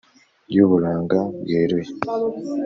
Y'uburanga bweruye